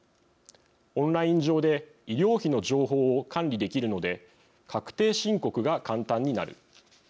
オンライン上で医療費の情報を管理できるので確定申告が簡単になる。